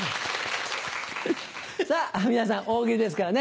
さぁ皆さん「大喜利」ですからね。